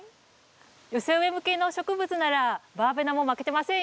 寄せ植え向けの植物ならバーベナも負けてませんよ。